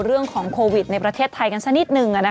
เรื่องของโควิดในประเทศไทยกันสักนิดนึง